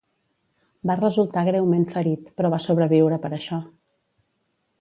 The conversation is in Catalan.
Va resultar greument ferit, però va sobreviure per això.